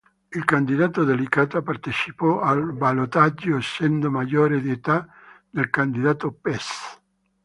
Il candidato Delitala partecipò al ballottaggio essendo maggiore di età del candidato Pes.